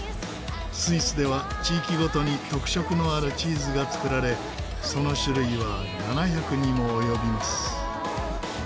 スイスでは地域ごとに特色のあるチーズが作られその種類は７００にも及びます。